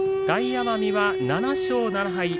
大奄美は、７勝７敗。